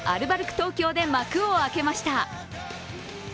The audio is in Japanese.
東京で幕を開けました。